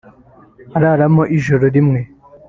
araramo ijoro rimwe